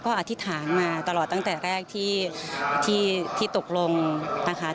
ก็อธิษฐานมาตลอดตั้งแต่แรกที่ตกลงนะคะ